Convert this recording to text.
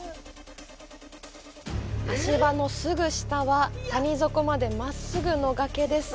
足場のすぐ下は、谷底までまっすぐの崖です！